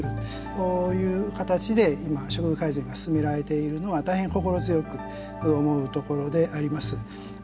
こういう形で今処遇改善が進められているのは大変心強く思うところであります。